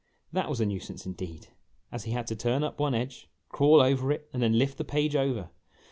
That was a nuisance indeed, as he had to turn up one edge, crawl over it, and then lift the page over.